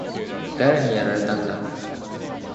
誰にやられたんだ？